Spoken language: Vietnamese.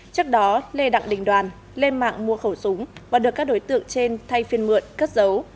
trước đó lê đặng đình đoàn lên mạng mua khẩu súng và được các đối tượng trên thay phiên mượn cất dấu